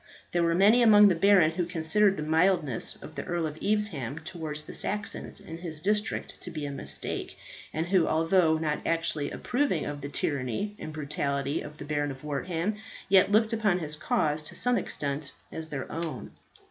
There were many among the barons who considered the mildness of the Earl of Evesham towards the Saxons in his district to be a mistake, and who, although not actually approving of the tyranny and brutality of the Baron of Wortham, yet looked upon his cause to some extent as their own.